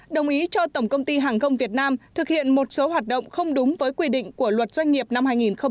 đồng ý cho tổng công ty hàng không việt nam thực hiện một số hoạt động không đúng với quy định của luật doanh nghiệp năm hai nghìn một mươi ba